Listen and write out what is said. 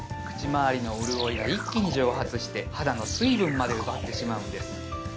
口まわりの潤いが一気に蒸発して肌の水分まで奪ってしまうんです